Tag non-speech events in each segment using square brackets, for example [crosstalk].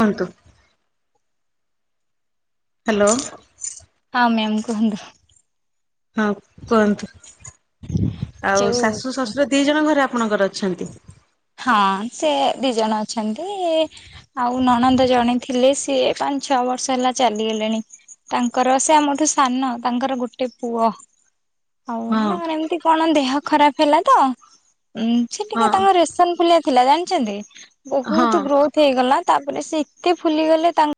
ଖନ୍ତୁ hello. ହଁ ma'am କୁହନ୍ତୁ। ହଁ କୁହନ୍ତୁ ଆଉ ଯୋଉ ଶାଶୁ ଶଶୁ ଦି ଜଣ ଘରେ ଆପଣଙ୍କର ଅଛନ୍ତି? ହଁ ସେ ଦି ଜଣ ଅଛନ୍ତି। ଆଉ ନଣନ୍ଦ ଜଣେ ଥିଲେ ସିଏ ପାଞ୍ଚ ଛଅ ବର୍ଷ ହେଲା ଚାଲିଗଲେଣି। ତାଙ୍କର ସେ ଆମଠୁ ସାନ ତାଙ୍କର ଗୋଟେ ପୁଅ। ହଉ ହଁ ତାଙ୍କର ଏମିତି କଣ ଦେହ ଖରାପ ହେଲା ତ ଉଁ ସେ ହଁ ଟିକେ ତାଙ୍କର ଏସନଫୁଲିଆ ଥିଲା ଜାଣିଚନ୍ତି ହଁ ବହୁତ ଗ୍ରୋଥ୍ ହେଇଗଲା ତାପରେ ସେ ଏତେ ଫୁଲି ଗଲେ ତାଙ୍କ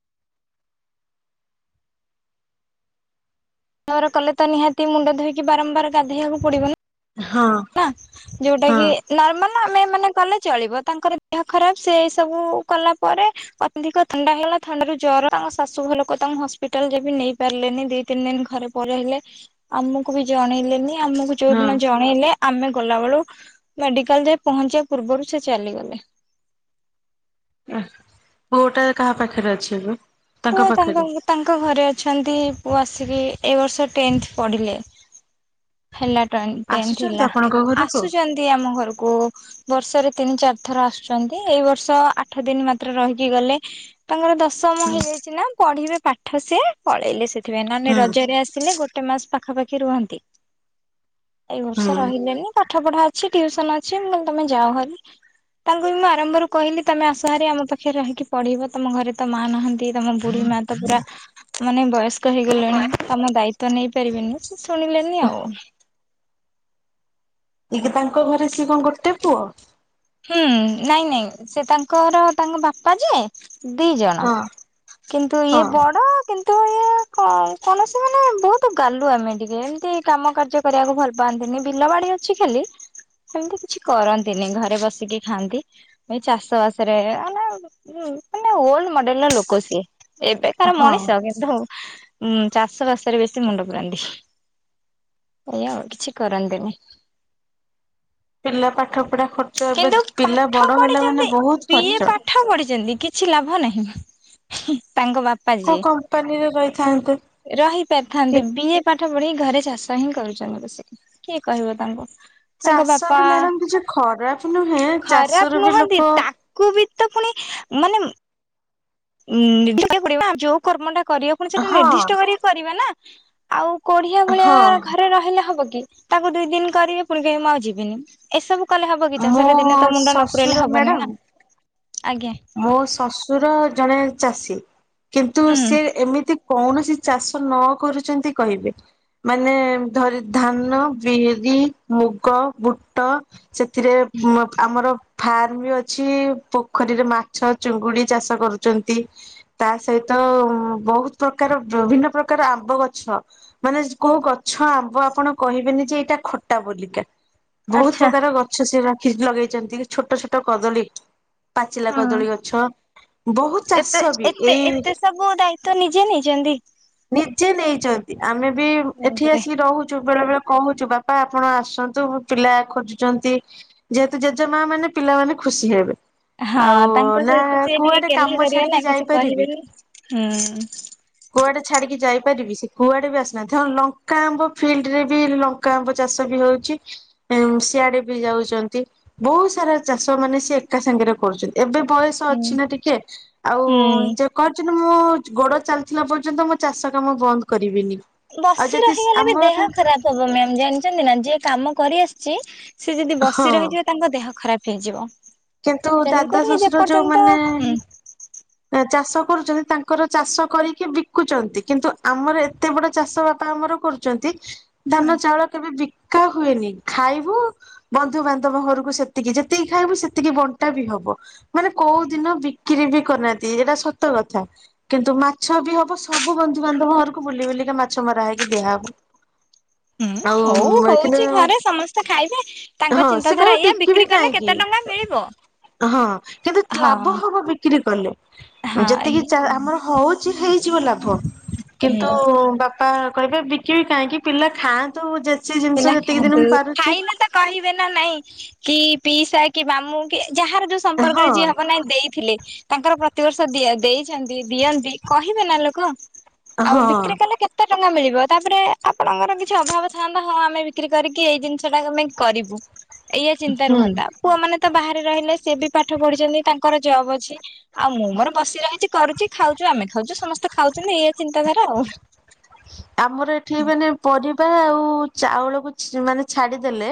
ବାର କଲେ ତ ନିହାତି ମୁଣ୍ଡ ଧୋଇକି ବାରମ୍ବାର ଗାଧୋଇବାକୁ ପଡିବ ନା ହଁ। ନା ଯୋଉଟା ହଁ କି ନର୍ମାଲ ଆମେ ମାନେ କଲେ ଚଳିବ ତାଙ୍କର ଦେହ ଖରାପ ସେ ସବୁ କଲା ପରେ ଅଧିକ ଥଣ୍ଡା ହେଲା ଥଣ୍ଡ ଜର ତାଙ୍କ ଶାଶୁ ଘର ଲୋକ ତାଙ୍କୁ ହସ୍ପିଟାଲ ଯେବେ ନେଇ ପାରିଲେନି ଦି ତିନି ଦିନ ଘରେ ପରେ ହେଲେ ଆମକୁ ବି ଜଣେଇଲେନି ଆମକୁ ଯୋଉ ଦିନ ହଁ ଜଣେଇଲେ ଆମେ ଗଲାବେେଳୁ ମେଡିକାଲରେ ପହଞ୍ଚିବା ପୂର୍ବରୁ ସେ ଚାଲିଗଲେ। ପୁଅ ଟା କାହା ପାଖରେ ଅଛି ଏବେ? ପୁଅ ତାଙ୍କ ତାଙ୍କ ଘରେ ଅଛନ୍ତି ପୁଅ ଆସିକି ଏ ବର୍ଷ ଟେନ୍ଥ ପଢ଼ିଲେ। ହେଲା ଟେନ୍ଥ ଆସୁଛନ୍ତି ହେଲା ଆପଣଙ୍କ ଘରକୁ? ଆସୁଛନ୍ତି ଆମ ଘରକୁ ବର୍ଷରେ ତିନି ଚାରି ଥର ଆସୁଛନ୍ତି ଏଇ ବର୍ଷ ଆଠ ଦିନ ମାତ୍ର ରହିକି ଗଲେ ତାଙ୍କର ଦଶମ ହୁଁ ହେଇଯାଇଛି ନା ପଢିବେ ପାଠ ସେ ପଳେଇଲେ ସେଥିପାଇଁ ନହେଲେ ହୁଁ ରଜରେ ଆସିଲେ ଗୋଟେ ଗୋଟେ ମାସ ପାଖାପାଖି ରୁହନ୍ତି। ଏଇ ବର୍ଷ ହୁଁ ରହିଲେନି ପାଠ ପଢା ଅଛି ଟିୁସନ ଅଛି ମୁ କହିଲି ତମେ ଯାଅଭାରି ତାଙ୍କୁ ବି ମୁଁ ଆରମ୍ଭରୁ କହିଲି ତମେ ଆସୁହାରି ଆମ ପାଖରେ ରହିକି ପଢିବ ତମ ଘରେ ତ ମା ନାହାନ୍ତି ତମ ବୁଢୀ ମା ତା ପୁରା ମାନେ ବୟସ୍କ ହେଇଗଲେଣି ତମ ଦାୟିତ୍ଵ ନେଇପାରିବିନି ସେ ଶୁଣିଲେନି ଆଉ। ଏଯୋଉ ତାଙ୍କ ଘରେ ସିଏ କଣ ଗୋଟେ ପୁଅ?। ହୁଁ ନାଇଁ ନାଇଁ ସେ ତାଙ୍କର ତାଙ୍କ ବାପା ଯିଏ ଦି ଜଣ ହଁ କିନ୍ତୁ ଇଏ ହଁ ବଡ କିନ୍ତୁ ହଁ କୌଣସି ମାନେ ବହୁତ ଗାଲୁ ଆମେ ଟିକେ ଏମିତି କାମ କାର୍ଯ୍ୟ କରିବାକୁ ଭଲ ପାଆନ୍ତିନି ବିଲ ବାଡି କିଛି ଖାଲି ସେମିତି କିଛି କରନ୍ତିନି ଘରେ ବସିକି ଖାଆନ୍ତି। ଏ ଚାଷବାସରେ ମାନ ମାନେ ଓଲଡ ମଡେଲ ର ଲୋକ ସିଏ। ଏବେକାରାର ହଁ ମଣିଷ କିନ୍ତୁ ଚାଷ ବାସରେ ବେଶୀ ମୁଣ୍ଡ ପୁରାନ୍ତି। ଏଇଆ ଆଉ କିଛି କରନ୍ତିନି ପିଲା ପାଠ ପଢା ଖର୍ଚ୍ଚ ଏବେ କିନ୍ତୁ ପିଲା ପାଠ ବଡ ହେଲା ପଢିଛନ୍ତି ମାନେ ବହୁତ ବିଏ ଖର୍ଚ, ପାଠ ପଢିଛନ୍ତି କିଛି ଲାଭ ନାହିଁ ତାଙ୍କ ବାପା କୋଉ ଯିଏ କମ୍ପାନୀରେ ରହିଥାନ୍ତେ। ରହି କି ପାରିଥାନ୍ତେ ବିଏ ପାଠ ପଢି ଘରେ ଚାଷ ହିଁ କରୁଛନ୍ତି ସେଏ। କିଏ କହିବ ତାଙ୍କୁ। ଚାଷ ବାପା ବି ମ୍ୟାଡାମ କିଛି ଖରାପ ନୁହେଁ ଚାଷ ରୁ ବି ଲୋକ କୁବ ତ ପୁଣି ମାନେ ଯୋଉ କର୍ମଟା କରିବଣ ସେଟା ହଁ ନିର୍ଦ୍ଦିଷ୍ଟ କରି କରିବ ନା। ଆଉ କୋଢିଆ ଭଳିଆ ହଁ ଘରେ ରହିଲେ ହବ କି ତାକୁ ଦି ଦିନ କରିବି ପୁଣି କେହି ମୁଁ ଆଉ ଯିବିନି। ଏସବୁ କଲେ ହବ କି ମୋ ଚାଷରେ ଦିନେ ତ ମୁଣ୍ଡ ନ ପୁରେଇଲେ ଶ୍ୱଶୁର ହବନି ନା ମ୍ୟାଡାମ ଆଜ୍ଞା। ମୋ ଶଶୁର ଜଣେ ଚାଷୀ କିନ୍ତୁ ହୁଁ। ସିଏ ଏମିତି କୌଣସି ଚାଷ ନ କରୁଛନ୍ତି କହିବେ ମାନେ ଧରି ଧାନ, ବିରି, ମୁଗ, ବୁଟ, ସେଥିରେ ଆମର ଫାର୍ମ ବି ଅଛି ପୋଖରୀରେ ମା ଛ ଚୁଙ୍ଗୁଡି ଚାଷ କରୁଛନ୍ତି। ତା ସହିତ ବହୁତ ପ୍ରକାର ବିଭିନ୍ନ ପ୍ରକାର ଆମ୍ବ ଗଛ। ମାନେ କୋଉ ଗଛ ଆମ୍ବ ଆପଣ କହିବେନି ଯେ ଏଇଟା ଖଟା ବୋଲିକା। ବହୁତ ଆଚ୍ଛା ପ୍ରକାର ଗଛ ସେ ରଖି ଲଗେଇଛନ୍ତି ଛୋଟ ଛୋଟ କଦଳୀ ପାଚି ପାଚିଲା ହଁ କଦଳୀ ଗଛ ବହୁତ ଏତେ ଚାଷ ବି ଏତେ ଏଇ ଏତେ ସବୁ ଦାୟିତ ନିଜେ ନେଇ ଚନ୍ତି? ନିଜେ ନେଇଚନ୍ତି ଆମେ ବି ଏଠି ବାପରେ ଆସି ରହୁଛୁ ବେଳେ ବେଳେ କହୁଛୁ ବାପା ଆପଣ ଆସନ୍ତୁ ପିଲା ଖୋଜୁଚନ୍ତି ଯେହେତୁ ଜେଜେ ମା ମାନେ ପିଲାମାନେେ ଖୁସି ହେବେ। ଆଉ ହଁ ତାଙ୍କ ନା ସହିତ ସିଏ ଟିକେ କୁଆଡେ ଗେହ୍ଲା କାମ କରିବେ ଛାଡିକି ନା କିଛି ଯାଇପାରିବି? କହିବେନି। ହୁଁ। କୁଆଡେ ଛାଡିକି ଯାଇପାରିବି? ସେ କୁଆଡେ ବି ଆସୁନାହାନ୍ତି। ହଁ ଲଙ୍କା ଆମ୍ବ ଫିଲ୍ଡରେ ବି ଲଙ୍କ। ଙ୍କା ପଚାଶ ବି ହଉଛି। ଏମ୍ ସିଆଡେ ବି ଯାଉଛନ୍ତି ବହୁତ ସାରା ଚାଷ। ମାନେ ସିଏ ଏକାସାଙ୍ଗରେ କରୁଛନ୍ତି ଏବେ ବୟସ ହୁଁ ଅଛି ନା ଟିକେ ଆଉ ହୁଁ। ଯେ। କଉଚନ୍ତି, ମୁଁ ଗୋଡ ଚାଲିଥିଲା ପର୍ଯ୍ୟନ୍ତ ମୁଁ ଚାଷ କାମ ବନ୍ଦ କରିବିନି। ଆଉ ବସି ଯଦି ରହିଗଲେ ବି ଆମର ଦେହ ଖରାପ। [unintelligible] ମ୍ୟାମ୍ ଜାଣିଛନ୍ତି ନା ଯିଏ କାମ କରି ଆସିଛି ସିଏ ଯଦି ହଁ ବସି ରହି ଜିବ ତାଙ୍କ ଦେହ ଖରାପ ହେଇଯିବ। କିନ୍ତୁ ଦାଦା ତେଣୁକରି ଶ୍ୱଶୁର, ଯୋଉ ଯେପର୍ଯ୍ୟନ୍ତ ହୁଁ ମାନେ ଚାଷ କରୁଛନ୍ତି ତାଙ୍କର ଚାଷ କରିକି ବିକୁଚନ୍ତି। କିନ୍ତୁ ଆମର ଏତେ ବଡ଼ ଚାଷ ବାପା ଆମର କର୍ ହଁ। ଚନ୍ତିଧାନ, ଚାଉଳ, କେବେ ବିକ୍ କା ହୁଏନି ଖାଇବୁ ବନ୍ଧୁବାନ୍ଧବ ଘରୁକୁ ସେତିକି ଯେତିକି ଖାଇବୁ ସେତ୍ ସେତିକି ବଣ୍ଟା ବି ହବ। ମାନେ କୋଉ ଦିନ ବିକ୍ରି ବି କରୁନାହାନ୍ତି ଏଇଟା ସତ କଥା। କିନ୍ତୁ ମାଛ ବି ହବ। ସବୁ ବନ୍ଧୁବାନ୍ଧବ ଘରୁକୁ ବୁଲି ବୁଲିକା ମାଛ ମରା ହେଇକି ଦିଆହବ। ହୁଁ ଆଉ ହଉ ଏଠି ହଉଛି ନୁହଁ ଘରେ ସମସ୍ତେ ଖାଇବେ ତାଙ୍କ ହଁ। ସେ ଚିନ୍ତାଧାରା କହିବ ଏଇଆ ବିକିବି ବିକ୍ରି କଲେ କେତେ ଟଙ୍କା କାହିଁକି? ମିଳିବ। ହଁ କେବେ ହଁ ଲାଭ ହବ ବିକ୍ରି କଲେ? ହଁ ଯେତିକି ଏଇ ଚା ଆମର ହଉଛି ହେଇଯିବ ଲାଭ। କିନ୍ତୁ ହୁଁ। ବାପ ପା କହିବେ ବିକିବି କାହିଁକି? ପିଲା ଖାଆନ୍ତୁ, ଯେଚି ହେଲା ଜିନିଷ ଯେତିକି ଦିନ ଖାଆନ୍ତୁ ମୁଁ ପାରୁଚି। ଖାଇଲେ ତ କହିବେ ନା ନାଇଁ। ପି ପିଇସା କି ମାମୁଁ କି ଯାହାର ଯୋଉ ସମ୍ପର୍କ ହଁ ରେ ଯିଏ ହବ ନାଇଁ। ଦେଇଥିଲେ। ତାଙ୍କର ପ୍ରତିବର୍ଷ ଦିଆ ଦେଇଛନ୍ତି ଦିଅନ୍ତି କହିବେ ନା ଲୋକ? ଆଉ ହଁ ବିକ୍ରି କଲେ କେତେ ଟଙ୍କା ମିଳିବ? ତାପରେ ଆପଣଙ୍କର କିଛି ଅଭାବ ଥାନ୍ତ୍? ହଁ ଆମେ ବିକ୍ରି କରିକି ଏଇ ଜିନିଷ ଟାକୁ ଆମେ କରିବୁ ଏଇଆ ଚିନ୍ତା ହୁଁ ରୁହନ୍ତା। ପୁଅ ମାନେ ତ ବାହାରେ ରହିଲେ। ସିଏ ବି ପାଠ ପଢିଛନ୍ତି ତାଙ୍କର ଜବ୍ ଅଛି। ଆଉ ମୁଁ ମୋର ବସି ରହିଚି। କରୁଚି ଖାଉଚୁ। ଆମେ ଖାଉଚୁ ସମସ୍ତେ ଖାଉଚନ୍ତି। ଏଇଆ ଚିନ୍ତାଧାରା ଆଉ। ଆମର ଏଠି, ମାନେ ପରିବା ଆଉ ଚାଉଳକୁ ମାନେ ଛାଡିଦେଲେ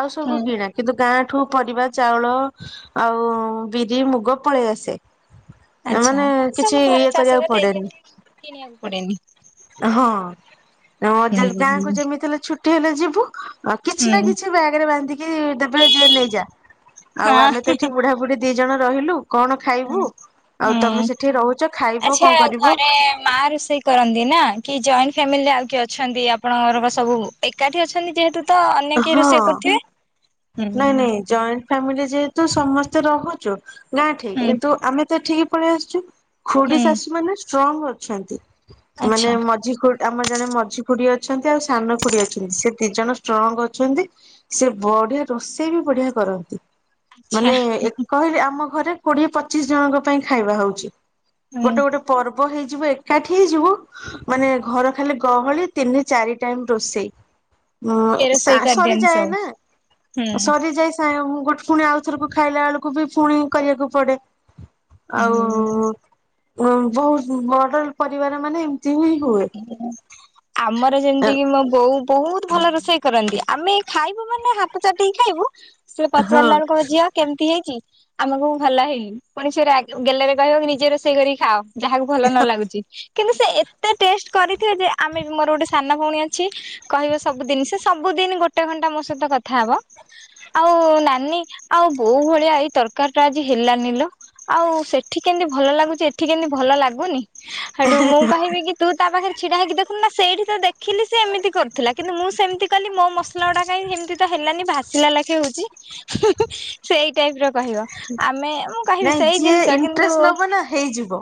ଆଉ ସବୁ ହୁଁ କିଣା, କିନ୍ତୁ ଗାଁଠୁ ପରରିବା, ଚାଉଳ ଆଉ ବିରି, ମୁଗ, ପଳେଇ ଆସେ। ଆଚ୍ଛା ଏମାନେ ହଁ ସେ ଆମ କିଛି ଘରେ ଇଏ ଶାଶୁ ଘରେ କରିବାକୁ ପଡେନି। ଦେଇଦିଅନ୍ତି କିଣିବାକୁ ପଡେନି। ହଁ ହୁଁ ହୁଁ ଗାଁକୁ ଯେମିତି ହେଲେ ଛୁଟି ହେଲେ ଯିବ। କିଛି ନା ହଁ କିଛି ବ୍ୟାଗ ରେ ବାନ୍ଧିକି ଦେବେ ଯେ ନେଇଯା। ଆଉ ଆମେ ତେ ଏଠି ବୁଢ଼ାବୁଢ଼ୀ। ଦି ଜଣ ରହିଲୁ କଣ ହଁ ଖାଇବୁ ଆଉ? ତମେ ହୁଁ ସେଠି ରହୁଚ ଖାଇବ ଆଚ୍ଛା କଁ କରିବ? ଘରେ ମା ରୋଷେଇ କରନ୍ତି ନା କି ଜଏଣ୍ଟ ଫ୍ୟାମିଲିରେ? ଆଉ କି ଅଛନ୍ତି ଆପଣଙ୍କରପା? ସବୁ ଏକାଠି ଅଛନ୍ତି ଯେହେତୁ। ତ ଅନ୍ୟ କେହି ହଁ ରୋଷେଇ କରୁଥିବେ ନାଇଁ ହୁଁ। ନାଇଁ ଜଏଣ୍ଟ ଫ୍ୟାମିଲି ଯେହେତୁ ସମସ୍ତେ ରହୁଚୁ ଗାଁଠି। ହୁଁ କିନ୍ତୁ ଆମେ ତ ଠିକ୍ ପଳେଇ ଆସୁଛି। ଖୁଡି ହୁଁ ଶାଶୁ ମାନେ ଷ୍ଟ୍ରଙ୍ଗ ଅଛନ୍ତି ମାନେ ଆଚ୍ଛା ମଝି ଖୁଡ୍ ଆମର ଜଣେ ମଝି ଖୁଡି ଅଛନ୍ତି ଆଉ ସାନ ଖୁଡି ଅଛନ୍ତି। ସେ ଦି ଜଣ ଷ୍ଟ୍ରଙ୍ଗ ଅଛନ୍ତି। ସେ ବଢିଆ ରୋଷେଇ ବି ବଢିଆ କରନ୍ତି ଆଚ୍ଛା ମାନେ ଏମ୍ କହିବେ ଆମ ଘରେ କୋଡିଏ, ପଚିଶ ଜଣଙ୍କ ପାଇଁ ଖାଇବା ହଉଛି ହୁଁ। ଗୋଟେ ଗୋଟେ ପର୍ବ ହେଇଯିବ ଏକାଠି ହେଇଯିବ। ମାନେ ଘର ଖାଲି ଗହଳି ତିନେ, ଚାରି ଟାଇମ୍ ରୋଷେଇ। ମଅ ସିଏ ସା ରୋଷେଇ କରିଦିଅନ୍ତି ସରିଯାଏ ସବୁ ନା ହୁଁ। ସରିଯାଏ। ଟାଇମ୍ ଗୋଟ ପୁଣି ଆଉଥରକୁ ଖାଇଲା ବେଳକୁ ବି ପୁଣି କରିବାକୁ ପଡ଼େ। ଆଉ ହୁଁ। ବହୁତ ବଡ ପରିବାର ମାନେ ଏମତି ହିଁ ହୁଏ। [unintelligible] ଆମର ଯେମତି କିି ମୋ ବୋଉ ବହୁତ ଭଲ ରୋଷେଇ କରନ୍ତି ଆମେ ଖାଇବୁ ମାନେ ହା ହାତଚାଟିକି ଖାଇବୁ। ସେ ହଁ ପଚାରିଲା ବେଳକୁ ଝିଅ କେମିତି ହେଇଛି? ଆମେ କହିବୁ ଭଲ ହେଇନି ପୁଣି ରାଗି ସେ ଗେଲରେ କହିବ କି ନିଜ ରୋଷେଇ କରିକି ଖାଅ। ଯାହାକୁ ଭଲ ନ ଲାଗୁଛି। କିନ୍ତୁ ସେ ଏ ଏତେ ଟେଷ୍ଟ କରିଥିବ ଯେ ଆମେ ମୋର ଗୋଟେ ସାନ ଭଉଣୀ ଅଛି। କହିବ ସବୁଦିନ ସେ ସବୁଦିନ ଗୋଟେ ଘଣ୍ଟା ମୋ ସହିତ କଥା ହବ। ଆଉ ନାନୀ ଆଉ ବୋଉ ଭଳିଆ ଏଇ ତରକାରୀ ଟା ଆଜି ହେଲାନିିଲ। ଆଉ ସେଠି କେମିତି ଭଲ ଲାଗୁଛି ଏଠି କେମିତି ଭଲ ଲାଗୁନି। ହେଠୁ ମୁଁ କହିବି କି ତୁ ତା ପାଖରେ ଛିଡା ହେଇକି ଦେଖୁନୁ ନା ସେଇଠି ତ ଦେଖିଲି ସେ ଏମିତି କରୁଥିଲା କିନ୍ତୁ ମୁଁ ସେମିତି କଲି ମୋ ମସ ଲାଗୁଡା କାଇଁ ହେମିତି ତ ହେଲାନି ଭାସିଲା ଲେଖି ହଉଛି। ସେଇ ଟାଇପର କହିବ। ଆମେ ମୁଁ କହିବି ନାଇଁ ସେଇ ଯିଏ ଜିନିଷ କିନ୍ତୁ ଇଣ୍ଟରେଷ୍ଟ ନବ ନା ହେଇଯିବ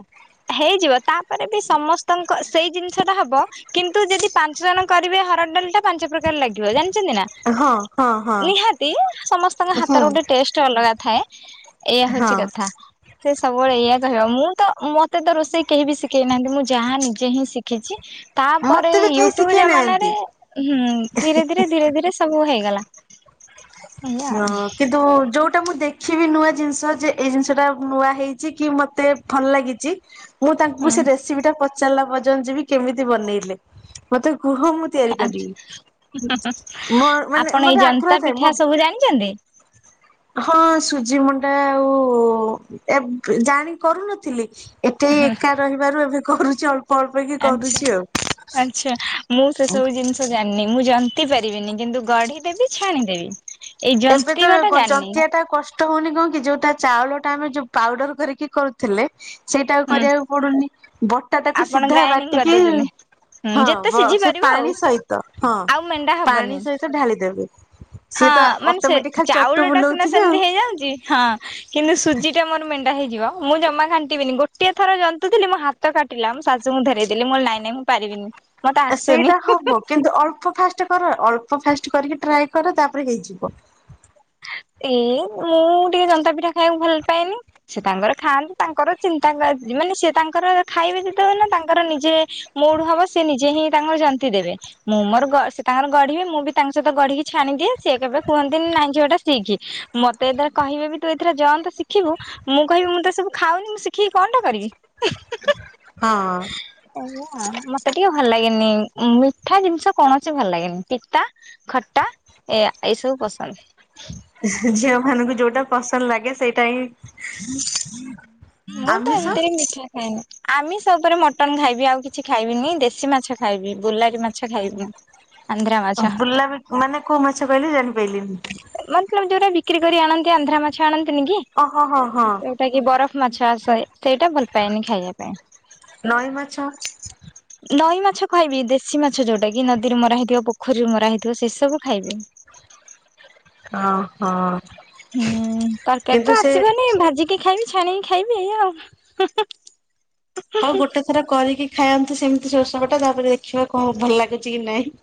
ହେଇଯିବ ତାପରେ ବି ସମସ୍ତଙ୍କ ସେଇ ଜିନିଷ ଟା ହବ କିନ୍ତୁ ଯଦି ପାଞ୍ଚ ଜଣ କରିବେ ହରଡ ଡାଲି ଟା ପାଞ୍ଚ ପ୍ରକାର ଲାଗିବ। ଜାଣି ଛନ୍ତି ନା। ହଁ ହଁ ହଁ ନିହାତି ସମସ୍ତଙ୍କ ହଁ ହାତର ଗୋଟେ ଟେଷ୍ଟ ଅଲଗା ଥାଏ ଏଇୟା ହଉଛି ହଁ କଥା। ସେ ସବୁବେଳେ ଏଇଆ କହିବ ମୁଁ ତ ମତେ ତ ରୋଷେଇ କେହି ବି ଶିଖେଇ ନାହାନ୍ତି ମୁଁ ଯାହା ନିଜେ ହିଁ ଶିଖିଛି। ତାପରେ ମତେ ବି କେହି ୟୁଟ୍ୟୁବ ଶିଖେଇ ଜମାନାରେ ନାହାନ୍ତି ହୁଁ ଧୀରେ ଧୀରେ ଧୀରେ ଧୀରେ ସବୁ ହେଇଗଲା। ଏଇଆ ହଁ। କିନ୍ତୁ ଯୋଉ ଉଟା ମୁଁ ଦେଖିବି ନୂଆ ଜିନିଷ ଯେ ଏଇ ଜିନିଷ ଟା ନୂଆ ହେଇଛି କି ମତେ ଭଲ ଲାଗିଛି ମୁଁ ତାଙ୍କୁ ସେ ଆଉ ରେସିପି ଟା ପଚାରିଲା ପର୍ଯ୍ୟନ୍ତ ଯିବି କେମିତି ବନେଇଲେ? ମତେ କୁହ ମୁଁ ତିଆରି କରିବି। ଆଛା ମୋ ମାନେ ଆପଣ ଏଇ ମୋରେ ଜନ୍ତା ଆଗ୍ରହ ଥାଏ ମୋ ପିଠା ସବୁ ଜାଣିଛନ୍ତି? [unintelligible] ହଁ ସୁଜି ମଣ୍ଡା ଆଉ ଏବେ ଜାଣି କରୁନଥିଲି। ଏଠି ଏକା ରହିବାରୁ ଏବେ କରୁଛି ଅଳ୍ପ ଅଳ୍ପ କି ଆଚ୍ଛା କରୁଛି ଆଉ। ଆଚ୍ଛା ମୁଁ ସେସବୁ ଜିନିଷ ଜାଣିନି। ମୁଁ ଜନ୍ତି ପାରିବିନି କିନ୍ତୁ ଗଢିଦେବି ଛାଣିଦେବି। ଏଇ ଜନ୍ତୀ ବାଟା ଜାଣିନି। ତହଉନି କଣ କି ଯୋଉ ତା ଚାଉଳ ଟା ଆମେ ଯୋଉ ପାଉଡର କରିକି କରୁ ଥିଲେ ସେଇଟା ଆଉ ହୁଁ କରିବାକୁ ପଡୁନି ବଟା ତାକୁ ଆପଣ ସିଧା ଗ୍ରାଇଣ୍ଡିଙ୍ଗ ବାଟିକି କରିଦଉଛନ୍ତି। ହୁଁ ହଁ ଯେତେ ବ ସିଝି ସେ ପାରିବ ଆଉ ପାଣି ସହିତ ହଁ ଆଉ ମେଣ୍ଡା ପାଣି ହବନି। ସହିତ ଢାଳି ଦେବେ ସିଏ ହଁ ତ ମାନେ ସେ ଅଟୋମେଟିକ ଖାଲି ଚଟୁ ଚାଉଳ ଟା ସିନା ବୁଲଉଥିବେ ସେମିତି ଆଉ। ହେଇଯାଉଛି। ହଁ। କିନ୍ତୁ ସୁଜି ଟା ମୋର ମେଣ୍ଡା ହେଇଯିବ ମୁଁ ଜମା ଘାଣ୍ଟିବିନି। ଗୋଟିଏ ଥର ଜନ୍ତୁଥିଲି ମୋ ହା ତ କାଟିଲା ମୁଁ ଶାଶୁଙ୍କୁ ଧେରେଇଦେଲି ନାଇଁ ନାଇଁ ମୁଁ ପାରିବିନି। ମତେ ଆସୁନି। ସେଇଟା ହବ କିନ୍ତୁ ଅଳ୍ପ ଫାଷ୍ଟ କର ଅଳ୍ପ ଫାଷ୍ଟ କରିକି ଟ୍ରାଏ କର ତାପରେ ହେଇଯିବ। ଏଇ ମୁଁ ଟିକେ ଜନ୍ତାପିଠା ଖାଇବାକୁ ଭଲ ପାଏନି ସେ ତାଙ୍କର ଖାଆନ୍ତି। ତାଙ୍କର ଚିନ୍ତା ଆଜି ମାନେ ସେ ତାଙ୍କର ଖାଇ ବେ ଯେତେବେଳେ ନା ତାଙ୍କର ନିଜେ ମୁଡ ହବ ସେ ନିଜେ ହିଁ ତାଙ୍କର ଜନ୍ତି ଦେବେ। ମୁଁ ମୋର ଗ ସେ ତାଙ୍କର ଗଢିବେ ମୁଁ ବି ତାଙ୍କ ସହିତ ଗଢିକି ଛାଣିଦିଏ ସିଏ କେବେ କୁହନ୍ତି ନାଇଁ ଝିଅ ଟା ସିକି ମତେ ଏଥିରେ କହିବେ ବି ତୁ ଏଥିରେ ଜଆନ୍ତେ ଶିଖିବୁ ମୁଁ କହିବି ମୁଁ ତ ଏ ସବୁ ଖାଉନି ମୁଁ ଶିଖିକି କଣ ଟା କରିବି? ହଁ। ଏଇଆ ମତେ ଟିକେ ଭଲ ଲାଗେନି ମିଠା ଜିନିଷ କୌଣସି ଭଲ ଲାଗେନି। ପିତା ଖଟା ଏଆ ଏଇ ସବୁ ପସନ୍ଦ। ଝିଅ ମାନଙ୍କୁ ଯୋଉଟା ପସନ୍ଦ ଲାଗେ ସେଇଟା ହିଁ ମୁଁ ତ ଆମିଷ ଏମିତିରେ ମିଠା ଖାଏନି। ଆମିଷ ଉପରେ ମଟନ ଖାଇବି ଆଉ କିଛି ଖାଇବିନି। ଦେଶୀ ମାଛ ଖାଇବି ବୁଲାରି ମାଛ ଖାଇବିନି। ଆନ୍ଧ୍ରା ମାଛ ବୁଲାବ ମାନେ କୋଉ ମାଛ କହିଲେ ଜାଣିପାରିଲିନି? ମତଲବ ଯୋଉଟା ବିକ୍ରି କରି ଆଣନ୍ତି ଆନ୍ଧ୍ରା ମାଛ ଆଣନ୍ତିନି କି? ଓହୋ ହଁ ହଁ। ଟା କି ବରଫ ମାଛ ଆସ ସେଇଟା ଭଲ ପାଏନି ଖାଇବା ପାଇଁ। ନଈ ମାଛ। ନଈ ମାଛ ଖାଇବି ଦେଶୀ ମାଛ ଯୋଉଟା କି ନଦୀରେ ମରା ହେଇଥିବ ପୋଖରୀରୁ ମରା ହେଇଥିବ ସେ ସବୁ ଖାଇବି। ହଁ। ହଁ। ହୁଁ ତାଙ୍କେ ତ ଆସିବନି ଭାଜିକି ଖାଇବି ଛାଣିକି ଖାଇବି ଏଇଆ ଆଉ। ହଉ ଗୋଟେ ଥର କରିକି ଖାଆନ୍ତୁ ସେମିତି ସୋରିଷବଟା ତାପରେ ଦେଖିବା କଣ ଭଲ ଲାଗୁଛି କି ନାଇଁ।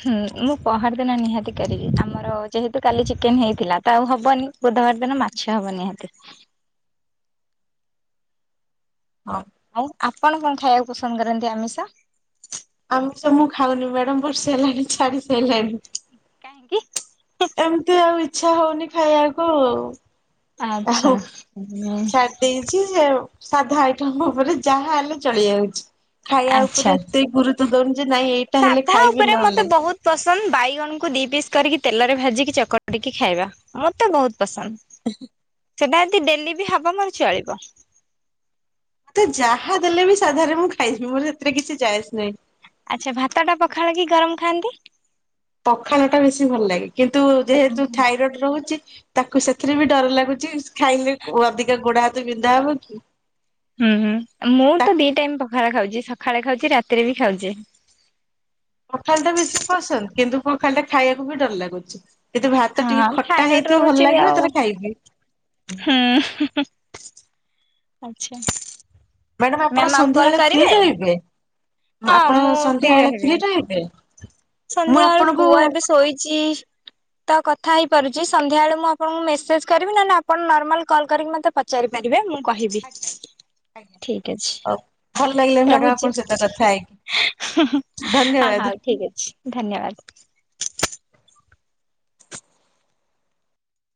ହୁଁ ମୁଁ ପହର ଦିନ ନିହାତି କରିବି ଆମର ଯେହେତୁ କାଲି ଚିକେନ ହେଇଥିଲା ତ ଆଉ ହବନି। ବୁଧବାର ଦିନ ମାଛ ହବ ନିହାତି। ହଁ। ଆଉ ଆପଣ କଣ ଖାଇବାକୁ ପସନ୍ଦ କରନ୍ତି ଆମିଷ? ଆମିଷ ମୁଁ ଖାଉନି ମ୍ୟାଡାମ ବର୍ଷେ ହେଲାଣି ଛାଡି ସଇଲାଣି। କାହିଁକି? ଏମିତି ଆଉ ଇଚ୍ଛା ହଉନି ଖାଇବାକୁ ଆଉ। ଆଉ ଆଚ୍ଛା ହୁଁ ଛାଡ଼ି ଦେଇଛି ସେ ଆଉ ସାଧା ଆଇଟମ ଉପରେ ଯାହା ହେଲେ ଚଳି ଯାଉଛି। ଖାଇବା ଆଚ୍ଛା। ଉପରେ ଏତେ ଗୁରୁତ ଦଉନି ଯେ ନାଇଁ ଏଇଟା ହେଲେ ସାଧା ଖାଇବି ଉପରେ ନହେଲେ ମତେ ନାଇଁ। ବହୁତ ପସନ୍ଦ ବାଇଗଣକୁ ଦି ପିସ୍ କରିକି ତେଲରେ ଭାଜିକି ଚକଟିକି ଖାଇବା ମତେ ବୋହୁତ ପସନ୍ଦ ସେଟା ଯଦି ଡେଲି ବି ହବ ମୋର ଚଳିବ। ମତେ ଯାହା ଦେଲେ ବି ସାଧାରେ ମୁଁ ଖାଇଯିବି ମୋର ସେଥିରେ କିଛି ଯାଏସ୍ ନାହିଁ। ଆଛା ଭାତଟା ପଖାଳ କି ଗରମ ଖାଆନ୍ତି? ପଖାଳ ଟା ବେଶୀ ଭଲ ଲାଗେ। କିନ୍ତୁ ଯେହେତୁ ଥାଇରଏଡ ରହୁଛି। ତାକୁ ସେଥିରେ ବି ଡର ଲାଗୁଛି ଖାଇଲେ ଅଧିକା ଗୋଡା ହାତ ବିନ୍ଧା ହବ କି। ଉଁ ହୁଁ ମୁଁ ତ ତାକୁ ଦି ଟାଇମ ପଖାଳ ଖାଉଛି। ସକାଳେ ଖାଉଛି ରାତିରେ ବି ଖାଉଛି। ପଖାଳ ଟା ବେଶୀ ପସନ୍ଦ କିନ୍ତୁ ପଖାଳ ଟା ଖାଇବାକୁ ବି ଡର ଲାଗୁଛି। କିତୁ ଭାତ ଟିକେ ହଁ ଖଟା ଥାଇରଏଡ ହେଇଥିବ ରହୁଛି ଭଲ ଲାଗିବ ଆଉ ତାହେଲେ ଖାଇବି। ହୁଁ। ଆଛା ମ୍ୟାଡାମ ଆପଣ ମ୍ୟାମ ଆଉ କଲ ସନ୍ଧ୍ୟାବେଳେ ଫ୍ରି କରିବେ? ରହିବେ ହଁ ଆପଣ ମୁଁ ଫ୍ରି ସନ୍ଧ୍ୟାବେଳେ ରହିବି। [unintelligible] ମୁଁ ସନ୍ଧ୍ୟାବେଳୁ ଆପଣଙ୍କୁ ପୁଅ ଏବେ ଶୋଇଛି। ତ କଥା ହେଇପାରୁଛି ସନ୍ଧ୍ୟା ବେଳେ ମୁଁ ଆପଣଙ୍କୁ ମେସେଜ କରିବି ନନେ ଆପଣ ନର୍ମାଲ କଲ୍ କରିକି ମତେ ପଚ ପଚାରିପାରିବେ ମୁଁ କହିବି। ଆଜ୍ଞା ଆଜ୍ଞା ଠିକ ଅଛି ହଉ ଭଲ ଲାଗିଲା ମ୍ୟାଡାମ ରହୁଛି ଆପଣଙ୍କ ସହିତ କଥା ହେଇକି। ହଁ ଧନ୍ୟବାଦ। ହଉ ଠିକ ଅଛି ଧନ୍ୟବାଦ।